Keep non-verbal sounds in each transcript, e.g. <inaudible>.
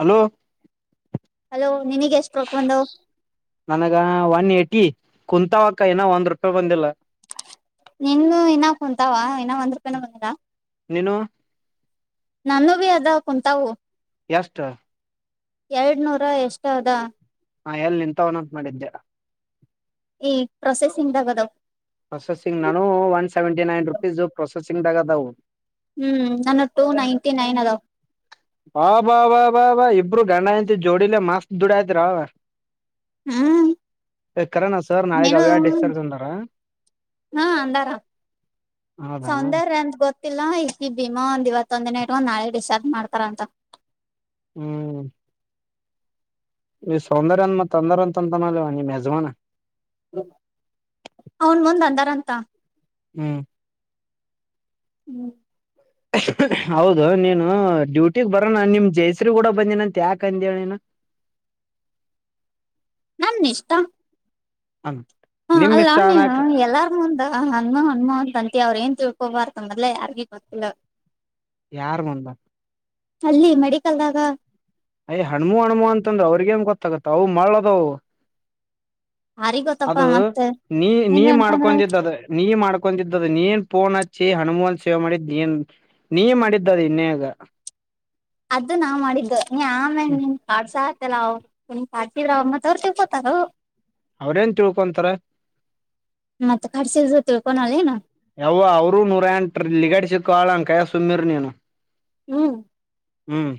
Hello hello ನಿನಗ್ ಎಷ್ಟ್ ರೊಕ್ಕ ಬಂದವ್ ನನಗ ಒನ್ ಏಯ್ಟಿ ಕುಂತಾವಕ್ಕ ಏನ ಒಂದ್ ರೂಪಾಯಿ ಬಂದಿಲ್ಲ ನಿನ್ನ ಇನ್ನ ಕುಂತಾವ ಇನ್ನ ಒಂದುರುಪಾಯಿನು ಬಂದಿಲ್ಲ ನೀನು ನಾನು ಬಿ ಅದ ಕುಂತವು ಎಷ್ಟು ಎರಡ್ ನೂರ ಎಷ್ಟಅದಾ ಹಾ ಎಲ್ಲಿ ನಿಂತವನಂತ ಮಾಡಿದ್ದ್ಯ ಈ ಪ್ರೊಸೆಸಿಂಗ್ ಗ್ದಾದಾವ್ ಪ್ರೊಸೆಸಿಂಗ್ ನಾನು ಒನ್ ಸೆವೆಂಟಿ ನೈನ್ ರುಪೀಸ್ಸು ಪ್ರೊಸೆಸಿಂಗ್ದಾಗ ಅದವು ಹ್ಮ್ ನಾನ ಟೂ ನೈಂಟಿ ನೈನ್ ಅದಾವ ಬಾ ಬಾ ಬಾ ಬಾ ಬಾ ಇಬ್ರು ಗಂಡ ಹೆಂಡ್ತಿ ಜೋಡಿಲೆ ಮಸ್ತ್ ದುಡಯತ್ರ ಹ್ಮ್ <inaudible> ಎ ಕರನಾ ಸರ್ ನಾಳೆಗ್ ನೀನು ಅವ್ಯ ಡಿಸ್ಚಾರ್ಜ್ ಅಂದಾರ ಹಾ ಅಂದಾರ ಹೌದಾ ಸೌಂದರ್ಯ ಅಂತ ಗೊತ್ತಿಲ್ಲ ಈ ಭೀಮಾ ಅಂದ್ ಇವತ್ತು ಇವತ್ತೊಂದಿನ ಇಟ್ ಒಂದ್ ನಾಳೆ ಡಿಸಾರ್ಜ್ ಮಾಡ್ತಾರ ಅಂತ ಹ್ಮ್ ಈ ಸೌಂದರ್ಯ <unintelligible> ತೊಂದರೆ ಅಂತಂತ ನೀಮ್ ಯಜಮಾನ ಅವನ್ ಮುಂದ್ ಅಂದಾರಂತ ಹ್ಮ್ ಹ್ಮ್ ಹೌದು ನೀನು ಡ್ಯೂಟಿಗ್ ಬರೋ ನನ್ ನಿಮ್ ಜೈಸ್ರಿ ಕೂಡ ಬಂದನಂತ ಯಾಕ ಅಂದ ನೀನು <inaudible> ನನ್ನಿಷ್ಟ ಅ ಹಾ ನಿಮ್ ಅಲ್ಲ ಇಷ್ಟ ನೀನು ಅನಕ್ ಎಲ್ಲಾರು ಮುಂದ್ ಹನ್ಮ ಹನ್ಮ ಅಂತ್ ಅವ್ರ್ ಏನ್ ತಿಳ್ಕೊಬಾರ್ದ್ ಮೊದ್ಲೆ ಯಾರಿಗೆ ಗೊತ್ತಿಲ್ಲ ಯಾರ್ ಮುಂದ ಅಲ್ಲಿ ಮೆಡಿಕಲ್ದಾಗ ಅಯ್ ಹಣ್ಮು ಹಣ್ಮು ಅಂತಂದ್ರ ಅವ್ರಿಗೇನ್ ಗೊತ್ತಾಗತ್ತ ಅವು ಮಾಡ್ದವು ಯಾರಿಗ್ ಗೊತ್ತಪ್ಪ ಅದು ಮತ್ತ ನೀ ನೀ ಏನ್ ಅನ್ಕೊಂಡ್ರ ಮಾಡ್ಕೊನ್ ದಿದ್ ಅದು ನೀ ಮಾಡ್ ಕುಂತಿದ್ ಅದು ನೀನ್ ಪೋನ್ ಹಚ್ಚಿ ಹನುಮ್ ಸೇವ್ ಮಾಡಿದ್ ನೀನ್ ನೀ ಮಾಡಿದ್ ಇನ್ಯಾಗ ಅದು ನಾವ್ ಮಾಡಿದ್ದು ನೀ ಆಮೇಲೆ ನೀನ್ ಕಾಡ್ಸಾ <unintelligible> ಲ್ಲ ಪಾತರಮ್ಮ ಅವರು ತ ಹೋತಾರ ಅವ್ರೇನ್ ತಿಳ್ಕೊಂತಾರ ಮತ್ ಕಾಡ್ಸಿದ್ರು ತಿಳ್ಕೊನಲ್ಲೇನು ಯಾವ ಅವರು ನೂರ ಎಂಟ್ರಲೀಗಡ್ ಶಿಪ್ ಕಳಂಕಾಯ ಸುಮ್ನಿರ್ ನೀನು ಹ್ಮ್ ಹ್ಮ್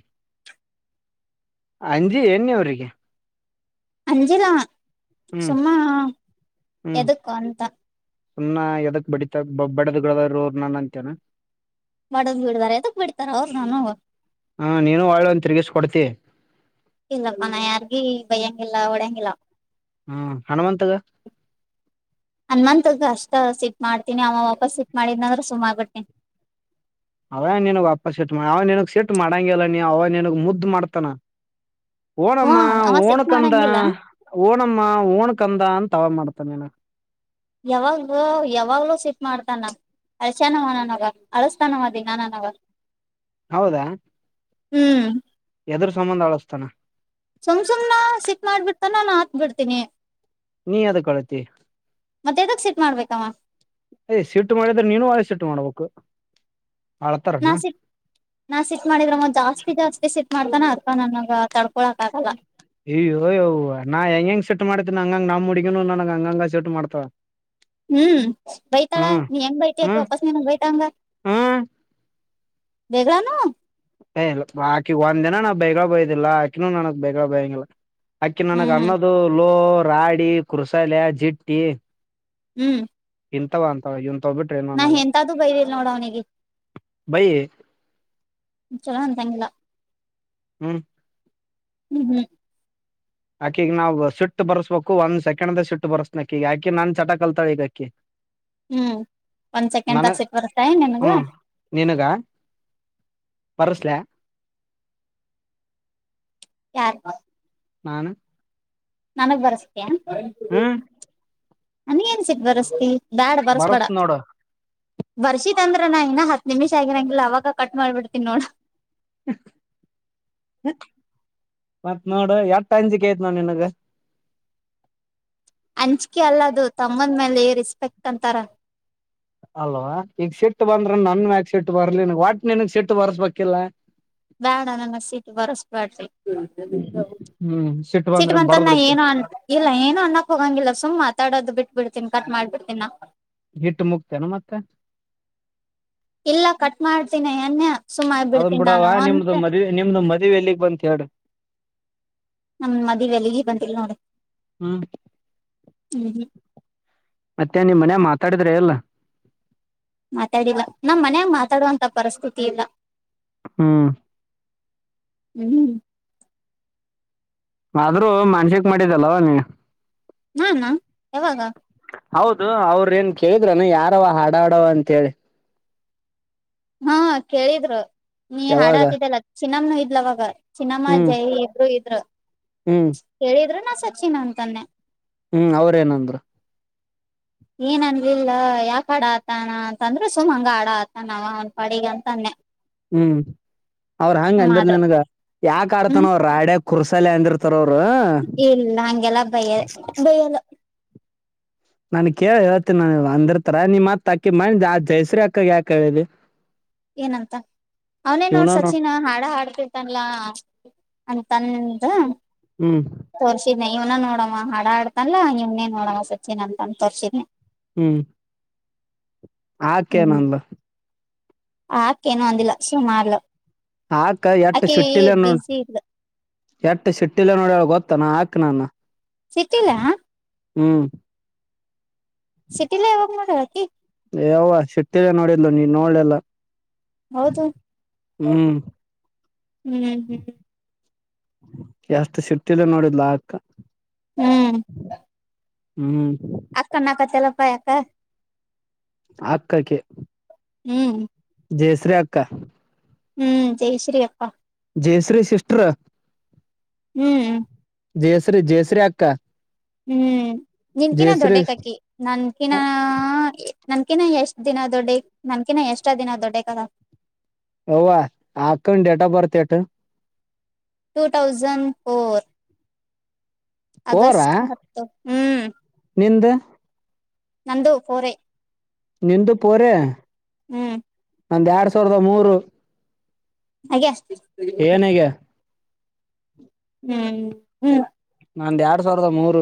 ಅಂಜಿ <unintelligible> ಅವ್ರರಿಗೆ ಅಂಜಿಲ ಹ್ಮ್ ಸುಮ್ಮ ಎದುಕ್ಕ ಅಂತ. ಸುಮ್ಮ್ ಎದಕ್ ಬಡಿತ ಬಬ್ಡ್ ದು ಬ್ರದರು ನನ್ ಅಂತಿನೆ. ಮಾಡೋದ್ ಬಿಡ್ದಾರ ಎದಕ್ ಬಿಡ್ತಾರ ಅವ್ರ ನಾನ್ ಹ ನೀನು ಒಳ್ಳೆ ಒಂದ ತಿರ್ಗಿಸ್ ಕೊಡ್ತಿ <unintelligible> ಬಯ್ಯಂಗಿಲ್ಲ ಒಡಂಗಿಲ್ಲ ಹ್ಮ್ ಹನುಮಂತಗ ತ ಮಾಡ್ತೀನಿ ಅವ ವಾಪಸ್ ಸಿಟ್ ಮಾಡಿದ್ನಂದ್ರೆ ಸುಮ್ನಾನಾಗ್ ಬಿಡ್ತಿನಿ. ಅವೇ ನಿನಗ್ ವಾಪಸ್ ಸಿಟ್ ಅವ ನಿನ್ಗ್ ಸಿಟ್ ಮಾಡಂಗೆಲ್ಲ ನೀ ಅವ ನಿನ್ಗ್ ಮುದ್ದು ಮಾಡ್ತಾನ. ಹ್ಮ ಓಣಮ್ಮ ಅವ ಓಣು ಸಿಟ್ ಕಂದ ಮಾಡಂಗಿಲ್ಲ ಓಣಮ್ಮ ಓಣು ಕಂದ ಅಂ <unintelligible> ಮಾಡ್ತಾನೆನ ಯಾವಾಗ್ ಬ್ರೊ ಯಾವಾಗ್ಲೂ ಸಿಟ್ ಮಾಡ್ತಾನ ಅಳಶಾನವ ನನಗ ಅಳಸ್ತಾನವ ದಿನಾ ನನಗ. ಹೌದಾ ಹ್ಮ್ ಎದ್ರು ಸಂಬಂಧ ಅಳ್ಸ್ತಾನ. ಸುಮ್ ಸುಮ್ನ ಸಿಕ್ ಮಾಡ್ಬಿಡ್ತಾನ ನಾನ್ ಹತ್ ಬಿಡ್ತೀನಿ. ನೀ ಎದಕ್ ಅಳ್ತಿ. ಮತ್ತೆದಕ್ ಸಿಟ್ ಮಾಡ್ಬೇಕಮ್ಮ ಯ್ ಸೀಟ್ಟು ಮಾಡಿದ್ರೆ ನೀನು ಅದೆ ಸೀಟ್ ಮಾಡ್ಬೇಕು. ಅಳ್ತಾರನ ನಾ ಸಿ ನಾ ಸಿಟ್ ಮಾಡಿದ್ರವ ಜಾಸ್ತಿ ಜಾಸ್ತಿ ಸಿ. ಮಾಡ್ತಾನ <unintelligible> ತಡ್ಕೊಳಕ್ ಆಗಲ್ಲ ಎ ಯವ ಯವ್ವ ನಾ ಹೆಂಗ ಹೆಂಗ್ ಸಿಟ್ ಮಾಡ್ತೀನ ಹಂಗಂಗ್ ನಮುುಡ್ಗಿನು ನನ್ಗ ಹಂಗಂಗ ಸಿಟ್ ಮಾಡ್ತಳ. ಹ್ಮ್ ಬೈತಾಳ ನೀ ಹೆಂಗ್ ಬೈತ ಹ್ಮ್ ವಾಪಸ್ನಂಗ್ ಬೈದಾಂಗ. ಹ್ಮ್ ಬೇಗಾನು ಏ ಇಲ್ಲ ಆಕಿ ಒಂದಿನ ನಾವ್ ಬೇಗ ಬೈದಿಲ್ಲಾ ಆಕಿನೂ ನನಗ್ ಬೇಗ ಬಯಂಗಿಲ್ಲ. ಅಕಿ ನನಗ್ ಹ್ಮ್ ಅನ್ನದು ಲೋ ರಾಡಿ ಕೃಸಲ ಜಿಟ್ಟಿ. ಹ್ಮ್ ಇಂತವ ಅಂತವ ಇಂತವ್ ಬಿಟ್ರೆ ಏನು ನಾ ಅನ್ನಲ್ಲ ಎಂತದು ಬೈದಿಲ್ ನೋಡ್ ಅವ್ನಿಗೆ. ಬೈ <unintelligible> ಹ್ಮ್ ಹ್ಮ್ ಹ್ಮ್ ಆಕಿಗ್ ನಾವು ಸಿಟ್ಟು ಬರ್ರ್ಸಬೇಕು ಒಂದ್ ಸೆಕೆಂದ್ಗ್ ಸ ಸಿಟ್ಟು ಬರ್ಸುತಿನಿ ಅಕಿಗ್ ಅಕಿ ನಾನ್ ಚಟ ಕಲ್ತಾಳ್ ಈಗ ಅಕಿ. ಹ್ಮ್ ಒಂದ್ ಸೆಕೆಂಡಾಂಗ್ ಸಿಗ್ಬೊದ ಟೈ ನಿಮ್ಗ ಬರುಸ್ಲ ಯಾರ್ ನಾನೆ ನನಗ್ ಬರ್ಸ್ತ್ಯ ಹ್ಮ್ ನನಗ್ ಎನ್ ಸಟ್ಬಸ್ತಿ. ಬ್ಯಾಡ್ ಬರ್ಸ್ಬೇಡ. ಬರ್ಸ್ ನೋಡು ಬರ್ಷಿದ ಅಂದ್ರ ನಾ ಇನ್ನ ಹತ್ತು ನಿಂಮ್ಷ ಆಗಿರಂಗಿಲ್ಲ ಅವಾಗ ಕಟ್ ಮಾಡ್ಬಿಡ್ತೀನಿ ನೋಡ <unintelligible> ಮತ್ನೊಡು ಎಟ್ ಅಂಜಿಕೆ ಆತ ನಿನ್ಗೆ. ಅಂಜಿಕೆ ಅಲ್ಲದು ತಮ್ಮನ್ ಮೇಲೆ ರೆಸ್ಪೆಕ್ಟ್ ಅಂತಾರ. ಅಲ್ವಾ ಈಗ ಶಿಟ್ಟು ಬಂದ್ರ ನನ್ ಮ್ಯಾಕ್ ಶೆಟ್ಟು ಬರ್ಲಿ ವಾಟ್ ನನ್ಗ್ ಶೆಟ್ಟು ಬರ್ಸ್ಬೇಕಿಲ್ಲ. ಬ್ಯಾಡ ನನ್ನಗ್ ಸೀಟ್ ಬರಸ್ಬ್ಯಾಡ್ರಿ. ಹ್ಮ್ ಸಿಟ್ಟು ಸಿಟ್ ಬಂದ್ರ ಬಂತಾ ಬಡದ್ ಬಿಡಕ್ಕೆ ಏನು ಅ ಇಲ್ಲ ಏನು ಅನ್ನಕ್ ಹೋಗಂಗಿಲ್ಲ ಸುಮ್ ಮಾತಾಡೋದು್ ಬಿಟ್ ಬಿಡ್ತೀನ್ ಕಟ್ ಮಾಡ್ಬ ಬಿಡ್ತೀನ್ ನ ಹಿಟ್ಟು ಮುಗ್ತೇನು ಮತ್ತೆ ಇಲ್ಲ ಕಟ್ ಮಾಡ್ತೀನಿ ಅನ್ನೆ ಸುಮ್ ಅವನ್ ಆಗ್ಬಿಡ್ತೀನಿ ಬಿಡವ ನಾನು ನಿಮ್ದು ಅಂತ ಮದು ನಿಮ್ದು ಮದವೆ ಎಲ್ಲಿಗ್ ಬಂತ ಹೇಳ್ರಿ - - <inaudible> ನಮ ಮದ್ವೆದಲ್ಲಿ ಬಂದಿಲ್ಲ ನೋಡು ಹ್ಮ್ ಹ್ಮ್ ಮತ್ತೆ ನಿಮ್ಮ್ ಮನ್ಯಲಿ ಮಾತಾಡಿದ್ರೆ ಎಲ್ಲ ಮಾತಾಡಿಲ್ಲ ನಮ್ ಮನ್ಯಾಗ ಮಾತಾಡುವಂತ ಪರಿಸ್ಥಿತಿ ಇಲ್ಲ ಹ್ಮ್ ಹ್ಮ್ ಆದ್ರೂ ಮನ್ಸಿಕ್ ಮಾಡಿದಲ್ಲವಾ ನೀ ನಾನಾ ಯಾವಾಗ ಹೌದು ಅವ್ರ ಏನ್ ಕೇಳಿದ್ರನು ಯಾರವ ಹಾಡುಹಡವ ಅಂತ ಹೇಳಿ ಹಾ ಕೇಳಿದ್ರು ನೀ ಯಾವಾಗ ಹಾಡಹತಿದ್ದಲ್ಲ ಚಿನಮ್ನನು ಇದ್ಲು ಅವಾಗ ಚಿನ್ನಮ್ಮ ಹ್ಮ್ ಜೈ ಇಬ್ರು ಇದ್ರು ಹ್ಮ್ ಕೇಳಿದ್ರು ನಾ ಸಚಿನ್ ಅಂತತಂದೆ ಹ್ಮ್ ಅವ್ರೇಏನಂದ್ರು ಏನ್ ಅನ್ಲಿಲ್ಲ ಯಾಕ ಹಾಡಾತಾನ ಅಂತಂದ್ರು ಸುಮ್ ಹಂಗ ಹಾಡ ಆತಾನ ಅವನಾ ಪಾಡಿಗೆ ಅಂತಾನೆ ಹ್ಮ್ ಅವ್ರ ಹಂಗ ಸುಮ್ ಆದ್ರ ಅಂದರ್ಲನ್ಗ ಯಾಕ ಆಡ್ತಾನ ಹ್ಮ್ ಅವ ರಾಡೇ ಕೂರಸಲೇ ಅಂದಿರ್ತಾರ್ ಅವ್ರು ಇಲ್ಲ ಹಗೆಲ್ಲ ಬಯ ಬಯ್ಯಲ್ಲ ನನ್ ಕೇಳಿ ಹೇಳ್ತ್ತಿನಿ ನ ಅಂದ್ರತರ ನಿ ಮತ್ ಹಾಕಿನೀ ಹೆಸರಕ್ಕಾ ಯಾಕ ಹೇಳಿದಿ ಏನಂತ ಅವನೇ ನೋಡ್ ಇವ್ನನು ಸಚಿನ್ ಹಾಡ ಹಾಡ್ತಿರ್ತನ್ಲಾ ಅಂತಂದ ಹ್ಮ್ ತೋರ್ಸಿದನೆ ಇವ್ನ ನೋಡಮ್ಮ ಹಡಾ ಆಡ್ತಲ್ಲ ಇವ್ನೇ ನೋಡಮ್ಮ ಸಚಿನ್ ಅಂತನ್ ತೋರ್ಸಿದನೆ ಹ್ಮ್ ಆಕೆ ಹ್ಮ್ ಏನಂದ್ಲು ಆಕೇನು ಅಂದಿಲ್ಲ ಸುಮಲದ್ಲು ಆಕ ಎಟ್ಟು ಸಿಟ್ಟಿಲ್ಲ ನೋಡ್ ಬಿಸಿ ಇದ್ಲು ಎಟ್ಟ ಸಿಟ್ಟಿಲಿಲ್ಲ ನೋಡು ಗೊತೇನ ಹಾಕ್ ನಾನ ಸಿಟ್ಟಿಲ್ಲ ಹ್ಮ್ ಸಿಟ್ಟಿಲ್ಲ ಈವಾಗ ನೋಡು ಆಕಿ ಹೇ ಯವ್ವ ಸಿಟ್ಟಿದೆ ನೋಡಿಲು ನೀವ ನೋಡ್ಲೆಲ್ಲ ಹೌದು ಹ್ಮ್ ಹ್ಮ್ ಎಷ್ಟು ಸಿಟ್ಟಿಹಿಂದ ನೋಡಿದ್ಲಾ ಆ ಅಕ್ಕ ಹ್ಮ್ ಹ್ಮ್ ಅಕ್ಕ ಅಣ್ಣಾಕತೀಯಾಲಪ್ಪ ಯಾಕ ಆತಆಕ್ಕಿ ಹ್ಮ್ ಜಯಸ್ರೀ ಅಕ್ಕ ಹ್ಮ್ ಜಯಶ್ರೀ ಅಕ್ಕ ಜಯಶ್ರೀ ಸಿಸಿಸ್ಟರ್ ಹ್ಮ್ ಜಯಶ್ರೀ ಜಯಶ್ರೀ ಅಕ್ಕ ಹ್ಮ್ ನಿನ್ಕಿನ ಜಯಶ್ರೀ ದೊಡ್ಡಕಕ್ಕಿ ನನ್ಕಿನ ಅ- ನನ್ಕಿನ ಎಷ್ಟ್ ದಿನ ದೊಡ್ಡ ನನ್ಕಿನ ಎಷ್ಟ ದಿನ ದೊಡ್ಡಕಳ ಅವ್ವ ಹಾ ಅಕ್ಕಂದು date of birth at two thousand four August ಹತ್ತು ಹ್ಮ್ ನಿಂದ್ ನಂದು ಫೋರ್ ನಿಂದು ಫೋರ್ ಹ್ಮ್ ಒಂದ ಎರಡ್ ಸಾವಿರದ ಮೂರು ಹಾಗೆ ಅ ಏಏನಗೆ ಹ್ಮ್ ಹ್ಮ್ ನಂದ ಎರಡ್ ಸಾವಿರದ ಮೂರು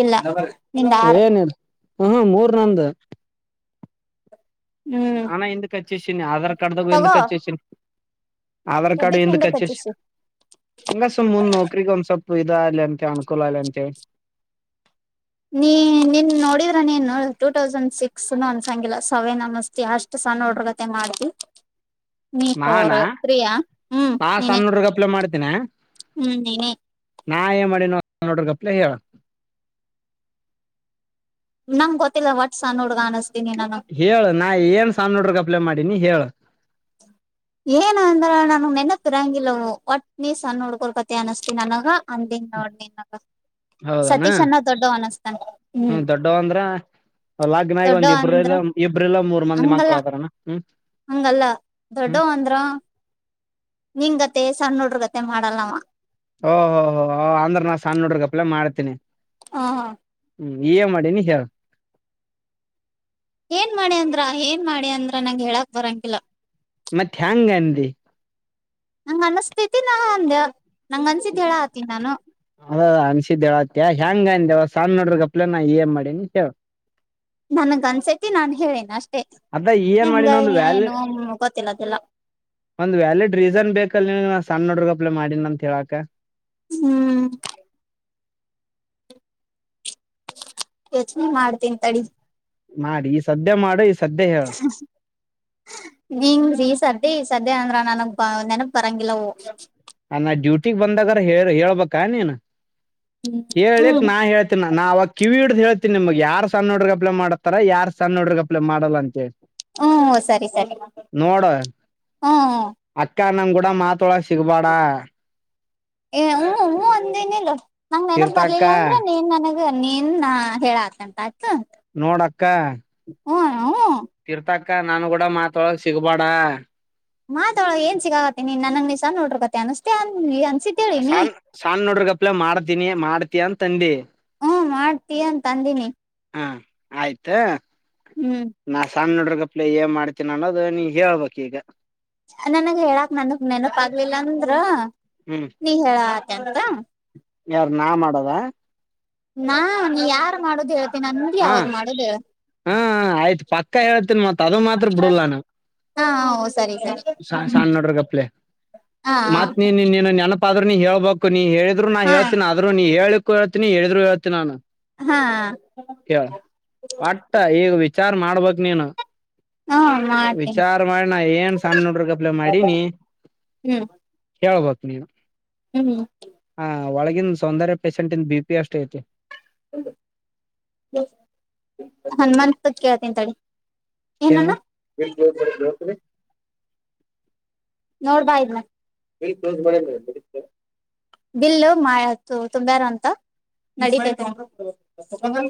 ಇಲ್ಲ ನಿಂಗ ಆರು ಹ ಮೂರ್ ನಂದ ಹ್ಮ್ ನಾನ ಎಂದಕಚ್ಚಸನಿ ಆಧಾರ್ ಕಾರ್ಡ್ಗ ತಗೋ ಎಂದಕಚ್ಚಸನಿ ಆಧಾರ್ ಕಾರ್ಡ್ ಎದಕ್ ಎಿಂದ ಹಿಂದಕ್ ಕಚ್ಚ ಹಚ್ಚಿಸಿ ಹಂಗ ಸ ಮುಂದ್ ನೋಕ್ರಿಗೆ ಒಂದ್ ಸ್ವಲ್ಪ ಸದಲ್ಲಂತ ಅನುಕೂಲ ಆಲ್ಲಂತೆ ನೀ ನೀನ್ ನೋಡಿದ ನೀನು ಟೂ ತೌಸಂಡ್ ಸಿಕ್ಸ್ ಅಂದಸಂಗಿಲ್ಲ ಸವೇ ನ ಮಸ್ತಿ ಅಷ್ಟ್ ಸ ನೋಡ್ರಗತೆ ಮಾಡ್ತಿ ನಾನ ನೀಫೋರು ತ್ರಯಾ ಹ್ಮ್ ನೀನ ಿನ <unintelligible> ಹ್ಮ್ ನೀನ ನಾ ಏನ್ ಮಾಡಿನ ನೋಡ್ರ ಕಪ್ಲೆ ಹೇಳ ನಮ್ ಗೊತ್ತಿಲ್ಲ ವಟ್ಸ ನೋಡ್ಗ ಅ ಹೇಳ ನಾ ಏನ್ ಸಾಮೋಡ್ರ ಕಪ್ಲ ಮಾಡಿನಿ ಹೇಳ ಏನ ಅಂದ್ರ ನನ್ಗ್ ನೆನತ್ತಿರಂಗಿಲ್ಲವು ಒಟ್ ನೀ ಸಣ ನೋಡ್ಕೊಳ್ಕತಿ ಅನಸ್ನನಗ ಅಂದಿನ್ ನೋಡ್ ನೀನ್ಗ ಹೌದನಾ ಸತೀಶ್ ಅನ್ನೋ ದೊಡ್ಡ ಅನಿಸ್ತನ್ ಹ್ಮ್ ಲಗ್ನ ಆಗಿ ಒಂದ್ ದೊಡ್ಡವ ಇಬ್ರ ಅಂದ್ರ ಇಬ್ರಲ್ಲ ಮೂರ್ ಮಂದಿ ಹಂಗಲ್ಲ ಮಕ್ಕಳದಾರಣ್ಣ ಹ್ಮ್ ಹಂಗಲ್ಲ ಹ್ಮ್ ದೊಡ್ಡವ ಅಂದ್ರ ನಿಗತ್ತ ಸಣ್ಣ ನೋಡ್ರಗತ್ತ ಮೆ ಮಾಡಲ್ಲ ನಮ್ಮ ಓಹೋ ಹೋ ಅಂದ್ರ ನಾ ಸಣ್ಣ ಹುಡ್ರಗಪ್ಲೆ ಮಾಡ್ತೀನಿ ಹಾ ಹಾ ಹ್ಮ್ ಏ ಮಾಡಿ ನೀ ಹೇಳ ಏನ್ ಮಾಡಿ ಅಂದ್ರ ಏನ್ ಮಾಡಿ ಅಂದ್ರ ನಂಗ ಹೇಳಕ್ ಬರಂಗಿಲ್ಲ ಮತ್ತೆ ಹೆಮಯಾಂಗ ಅಂದಿ ನಂಗ ಅನಸ್ತತಿ ನ ಒಂದ ಅದ ಅನ್ಸಿದ್ದೇವತ್ಯ ಹೆಯಾಂಗ ದೇವಸ್ ಸ ನೋಡ್ರಗಪ್ಲಾನ ಇ ಎ ಮಾಡಿ ಕೇಳ ನನ್ಗ್ ಅನ್ಸತಿ ನಾನ್ ಹೇಳೇನ ಅಷ್ಟ ಅದ ಅ ಏನ್ ಹಂಗ ಮಾಡಿನ ಒಂದ್ ಏನು ವ್ಯಾಲಿಡ್ ಗೊತ್ತಿಲ್ಲದೆಲ್ಲ ಒಂದ್ ವ್ಯಾಲಿಡ್ ರೀಸನ್ ಬೇಕಲ್ ನಿನ್ಗೆ ನಾನ್ ಸಣ್ಣ ನೋಡ್ರಗ್ ಅಪ್ಲಮಾಡಿನ ಅಂತ ಹೇಳಾಕ ಹ್ಮ್ ಯೋಚನೆ ಮಾಡ್ತನ್ ತಡಿ ಮಾಡಿ ಈ ಸದ್ಯ ಮಾಡ ನೀಂಗ ರೀ ಸರ್ದಿ ಸದ್ಯ ಅಂದ್ರ ನನಗ್ ನೆನಪ ಬರಂಗಿಲ್ಲ ಅ ನಾ ಡ್ಯೂಟಿಗ್ ಬಂದಾಗರ ಹೇಳ ಹೇಳ್ಬ ನೀನ್ ಹ್ಮ್ ಹಕ್ ಹ್ಮ್ ನಾ ಹೇಳ್ತೇನ ನಾ ಅವಾಗ ಕಿವಿ ಹಿಡ್ದ ಹೇಳ್ತಿ ನಿಮ್ಗ್ ಯಾರ್ ಸಣ್ಣೋಡ್ರಗ್ ಅಪ್ಲ ಮಾಡ್ತಾರ ಯಾರ ಸಣ್ಣೋಡ್ರಗ್ ಅಪ್ಲ ಮಾಡಲ್ಲ ಅಂತ ಹೇಳಿ ಹ್ಮ ಸರಿ ಸರಿ ಹ್ಮ ಕಾರಣಂಗ್ ಕೂಡ ಮಾತೊಳ ಸಿಗಬೇಡ ಏ ಹ್ಮೂ ಹೂ ಒಂದನಿಲ್ಲ ನಂಗ ನೆನಪ ತೀರ್ಥಕ್ಕ ಬರ್ಲಿಲ್ಲ ಅಂದ್ರ ನೀನ್ ನನಗ ನೀನ್ ಹೇಳಾಕಂತ ಆಯ್ತು ನೋಡಕ್ಕ ಹ್ಮ್ ಹ್ಮ್ ಅಕ್ಕ ನಾನು ಕೂಡ ಮಾತೊಳಗ್ ಸಿಗ್ಬೇಡ ಮಾತಾ ಒಳಗ್ ಏನ್ ಸಿಕ್ಕಾಗತ್ತ ನೀನ್ ನಂಗೆ ನಿಸ್ ನೋಡ್ರರು ಕತೆ ಅಸಸ್ತತೆ ಅ ಸ ಸಣ ನೋಡ್ರಗಪ್ಲ ಮಾಡ್ತೀನಿ ಮಾಡ್ತಯಂತ ತಂದಿ ಹ್ಮ ಮಾಡ್ತಿ ಅಂತ ಅಂದಿನಿ ಹಾ ಆಯ್ತ ಹ್ಮ್ ನಾ ಸಣ್ಣ ಹುಡ್ಗೀರ್ ಆಗಪ್ಲೇ ಏನ್ ಮಾಡ್ತೀನ ಅನ್ನೋದು ನೀ ಹೇಳ್ಬೇಕ್ ಈಗ ನನ್ಗ ಹೇಳಾಕ್ ನನ್ಗ್ ನೆನಪ ಆಾಗಲಿಲ್ಲ ಅಂದ್ರ ನೀ ಹೇಳ ಎಂತ ಯಾರ ನಾ ಮಾಡೋದ ನಾ ನೀ ಯಾರು ಮಾಡುದ ಹ ಹಾ ಆಯ್ತು ಪಕ್ಕ ಹೇಳ್ತನ್ ಮತ್ತ ಅದು ಮಾತ್ರ ಬಿಡಲ್ಲ ನಾ ಹಾ ಸರಿ ಸರಿ ಸಣ್ಣ ಹುಡ್ಗೀರ್ ಆಗಪ್ಲೆ ಹಾ ಹಾ ಮತ್ ನೀನ್ನ್ನನು ನೆನಪ ಆದ್ರರು ನೀ ಹೇಳ್ಬೇಕು ನೀ ಹೇಳಿದ್ ನಾ ಹಾ ಹೇಳ್ತಿನಿ ಆದರು ನೀ ಹ ಹೇಳಳ್ಕ್ ಹೇಳ್ತಿನಿ ಹೇಳಿದ್ರುೇತೀನ ನಾನು ಹಾ ಹ ಕೇ ಒಟ್ಟ ಈಗ ವಿಚಾರ ಮಾಡ್ಬಕ್ ನೀನು ಹ್ಮ ಮಾಡ್ತೀನಿ ವಿಚಾರ ಮಾಡಣ ಏನ್ ಸಣ್ಣ ನೋಡ್ರಗಪ್ಲೆ ಮಾಡಿನಿ ಕೇಳ್ಬಕು ನೀವು ಹೂ ಒಳಗಿನನ್ ಸೌಂದರ್ಯ ಪೇಶೆಂಟ ಬಿ ಪಿ ಅಷ್ಟ ಐತಿ ಹನುಮಾನ್ತ್ ಕೇಳ್ತಿನಿ ತಡಿ ಏನ ಕೇಳ ಅಣ್ಣ <unintelligible> ನೋಡ್ಬಾ ಇದನ ಬಿಲ್ಲು ಮಾ ತುಂಬಾರ ಅಂತ ನಡೇತೆತಿ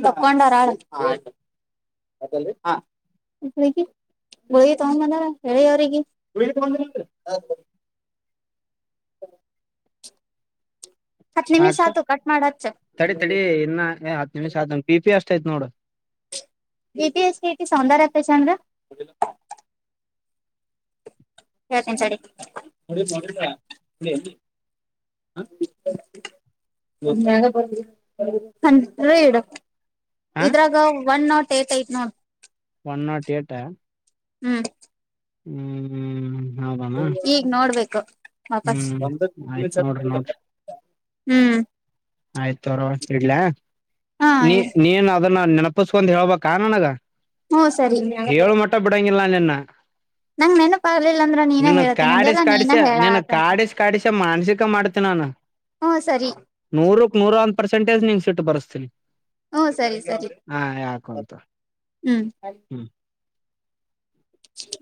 ತಕ್ಕೊಂಡರಳ ಗುಳಿಗೆ ತಗೊಂಡ್ ಬಂದಾರ ಹೇಳಿ ಅವ್ರಿಗೆ ಹ ಹ ಹ ಅಕ್ಕ ಆತು ಕಟ್ ಮಾಡ ಹಚ್ಚ ತಡಿ ತಡಿ ಇನ್ನ ಹತ್ತು ನಿಮಿಷ ಆದ ಪಿ ಪಿ ಎಷ್ಟ ಎಷ್ಟ ಆಯ್ತ್ ನೋಡ ತಿ ಎಸ್ಟ ಸೌಂದರ್ಯತ ಚಂದ್ರ ಹೇಳ್ತಿನಿ ತಾಡಿ ನಂಗೆ ಆವಾಗ್ಲೇ ಗೊತ್ತಾ ಇತ್ತು ಅಂದ್ರೆ ಇದು ಹ ಇದ್ರಾಗ ಒನ್ ನಾಟ್ ಏಟ್ ಐಟ್ ನೋಡಿ ಒನ್ ನಾಟ್ ಏಟ್ಾ ಹ್ಮ್ ಹೂ ಹೂ ಈಗ್ ನೋಡ್ಬೇಕು ವಾಪಸ್ ಹ್ಮ್ ಆಯ್ತ್ ನೋಡ್ರಿ ಹೂ ಆಯ್ತರ ತಾಗೋರ್ವ ಇಡ್ಲ ಹಾ ನೀ ನೀನ್ ಅದನ್ನ ನೆನಪಸ್ಕೊೊಂಡ್ ಹೇಳ್ಬ ಆ ನನಗ ಹ್ಮ ಸರಿ ಹೇಳ ಮಟ್ಟ ಬಿಡಂಗಿಲ್ಲ ನಿನ್ನ ನಂಗ್ ನೆನಪ ಆಗ್ಲಿಲ್ಲ ಅಂದ್ರ ನೀನ ನಿನ್ನ ಹೇಳ್ತೀನ ಕಾಡಿಸಿ ಅಂದೆಲ್ಲ ನೀನ ಕಾಡಿಸಿ ನೀನು ಹೇಳಾತಂತ ಕಾಡಿಸೀನೆ ಕಾಡಿಸ ಮಾನಸಿಕ ಮಾಡ್ತೀನ ಏನ ಹೂ ಸರಿ ನೂರಕ್ ನೂರ ಅಂದ ಪರ್ಸೆಟೇಜ್ ನಿ ಸಿಟ್ಟು ಬರ್ಸ್ತೀನಿ ಹ್ಮ ಸರಿ ಸರಿ ಹಾ ಹೇಳಕುಂತು ಹ್ಮ್ ಚುಚು